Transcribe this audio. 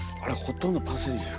あれほとんどパセリ。